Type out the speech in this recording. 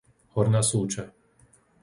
Horná Súča